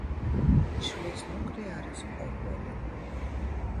შვლის ნუკრი არის ობოლი